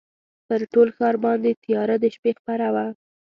پر ټول ښار باندي تیاره د شپې خپره وه